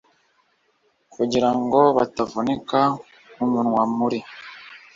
Kugira ngo batavunika umunwa muri